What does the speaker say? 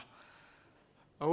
ngantuk banget ya